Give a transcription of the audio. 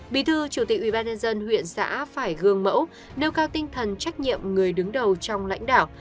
bí thư chủ tịch ubnd huyện xã phải gương mẫu nêu cao tinh thần trách nhiệm người đứng đầu trong lãnh đạo